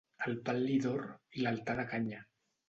El pal·li d'or i l'altar de canya.